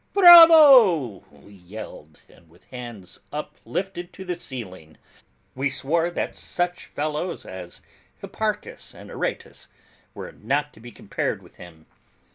"Bravo!" we yelled, and, with hands uplifted to the ceiling, we swore that such fellows as Hipparchus and Aratus were not to be compared with him.